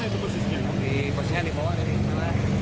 di busnya dibawa ya